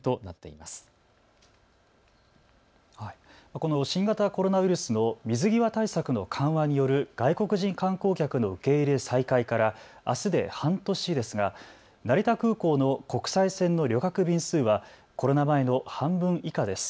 この新型コロナウイルスの水際対策の緩和による外国人観光客の受け入れ再開からあすで半年ですが、成田空港の国際線の旅客便数はコロナ前の半分以下です。